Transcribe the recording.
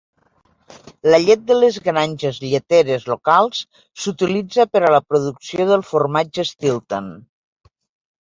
La llet de les granges lleteres locals s'utilitza per a la producció del formatge Stilton.